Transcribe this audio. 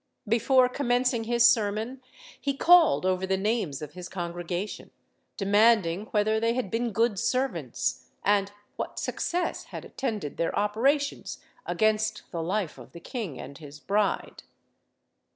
Before commencing his sermon he called over the names of his congregation, demanding whether they had been good servants, and what success had attended their operations against the life of the king and his bride.